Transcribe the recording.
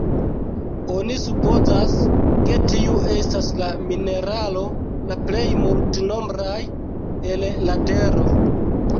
Oni supozas, ke tiu estas la mineralo la plej multnombraj el la tero.